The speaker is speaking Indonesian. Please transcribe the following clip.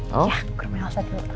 ya ke rumah elsa dulu